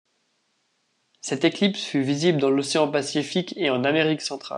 Cette éclipse fut visible dans l'océan Pacifique et en Amérique centrale.